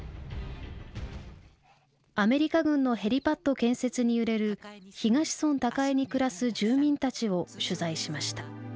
アメリカ軍のヘリパッド建設に揺れる東村高江に暮らす住民たちを取材しました。